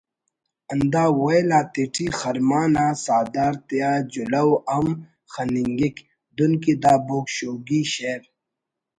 ہندا ویل آتیٹی خرما نا ساہدار تیا جلہو ہم خننگک دنکہ دا بوگ شوگی شعر